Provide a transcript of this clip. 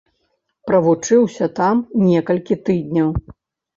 Правучыўся там некалькі тыдняў.